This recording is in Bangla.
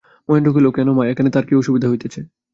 মহেন্দ্র কহিল, কেন মা, এখানে তাঁর কি অসুবিধা হইতেছে।